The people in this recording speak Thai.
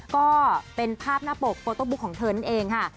ก็เป็นภาพหน้าปกโฟโต้บุ๊กของเธอนั่นเองค่ะ